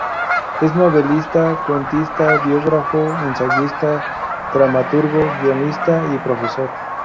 Es novelista, cuentista, biógrafo, ensayista, dramaturgo, guionista y profesor.